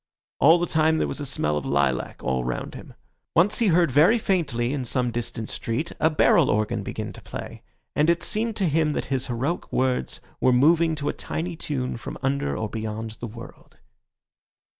All the time there was a smell of lilac all round him. Once he heard very faintly in some distant street a barrel organ begin to play, and it seemed to him that his heroic words were moving to a tiny tune from under or beyond the world.